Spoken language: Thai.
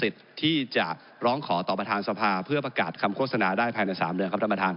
ที่จะร้องขอต่อประธานสภาเพื่อประกาศคำโฆษณาได้ภายใน๓เดือนครับท่านประธาน